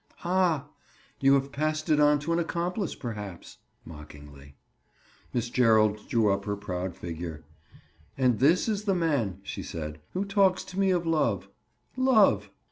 "Ah, you have passed it on to an accomplice, perhaps." Mockingly. Miss Gerald drew up her proud figure. "And this is the man," she said, "who talks to me of love. Love!"